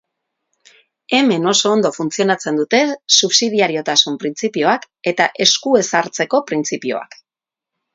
Hemen oso ondo funtzionatzen dute subsidiariotasun printzipioak eta esku ez hartzeko printzipioak.